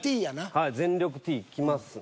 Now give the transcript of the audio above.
はい全力Ｔいきます。